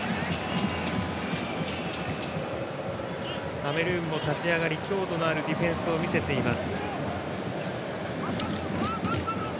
カメルーンも立ち上がり強度のあるディフェンスを見せています。